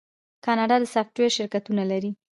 کاناډا د سافټویر شرکتونه لري.